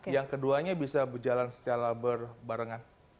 yang keduanya bisa berjalan secara berbarengan